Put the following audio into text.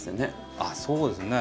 あっそうですね。